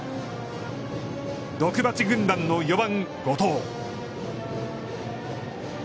毒蜂軍団の４番後藤。